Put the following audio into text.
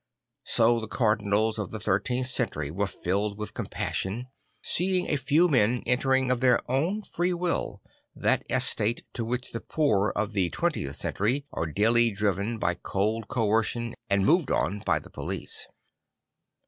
So the Cardinals of the thirteenth century were filled with compassion, seeing a few men entering of their own free will that estate to which the poor of the twentieth century are daily driven by cold coercion and moved on by the police.